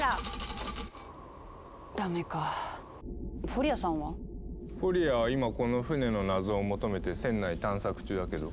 フォリアは今この船の謎を求めて船内探索中だけど。